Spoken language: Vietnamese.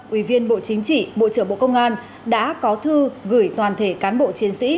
ủy viên bộ chính trị bộ trưởng bộ công an đã có thư gửi toàn thể cán bộ chiến sĩ